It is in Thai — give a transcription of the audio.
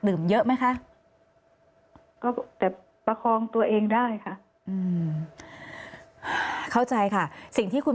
เยอะไหมคะก็แต่ประคองตัวเองได้ค่ะอืมเข้าใจค่ะสิ่งที่คุณ